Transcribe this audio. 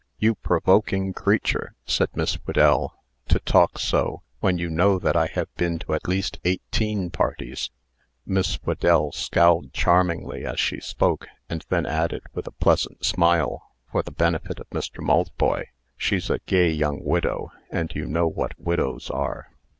"You provoking creature," said Miss Whedell, "to talk so, when you know that I have been to at least eighteen parties!" Miss Whedell scowled charmingly as she spoke, and then added, with a pleasant smile, for the benefit of Mr. Maltboy: "She's a gay young widow; and you know what widows are."